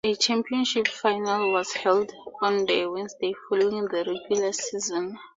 A Championship Final was held on the Wednesday following the regular season.